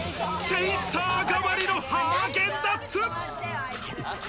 チェイサー代わりのハーゲンダッツ！